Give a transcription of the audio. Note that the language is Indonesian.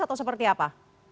atau seperti apa